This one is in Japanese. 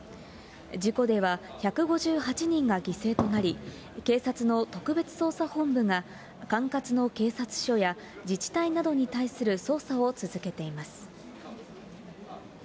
事故では１５８人が犠牲となり、警察の特別捜査本部が管轄の警察署や自治体などに対する捜査を続けています。